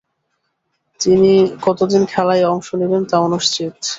তিনি কতদিন খেলায় অংশ নিবেন তা অনিশ্চিত।